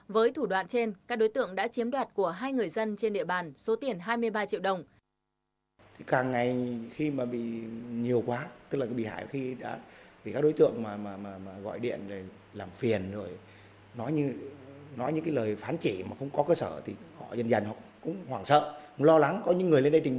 với thủ đoạn trên các đối tượng đã chiếm đoạt của hai người dân trên địa bàn số tiền hai mươi ba triệu đồng